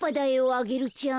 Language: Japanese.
アゲルちゃん。